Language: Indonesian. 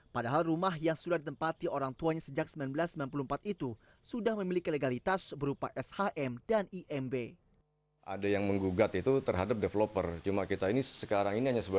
padahal rumah yang sudah ditempati orang tuanya sejak seribu sembilan ratus sembilan puluh empat itu sudah memiliki legalitas berupa shm dan imb